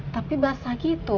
tapi basah gitu